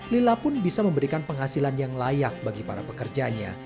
lila pun bisa memberikan penghasilan yang layak bagi para pekerjanya